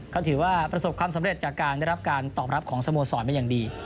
ก็ถือว่าประสบความสำเร็จจากการได้รับการตอบรับของสโมสรมาอย่างดี